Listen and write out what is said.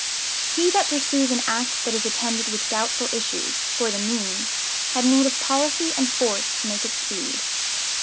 "He that pursues an act that is attended With doubtful issues, for the means, had need Of policy and force to make it speed."